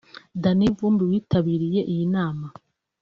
Danny Vumbi witabiriye iyi nama